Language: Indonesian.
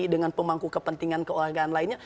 dengan pemangku kepentingan keolahragaan lainnya